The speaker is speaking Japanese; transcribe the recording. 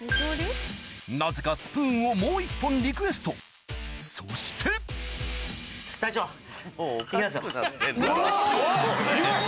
・なぜかスプーンをもう１本リクエストそして・おぉすげぇ！